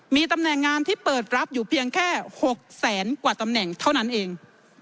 มีตำแหน่งงานที่เปิดรับอยู่เพียงแค่๖แสนกว่าตำแหน่งเท่านั้นเอง